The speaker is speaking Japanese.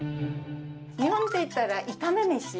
日本でいったら炒め飯。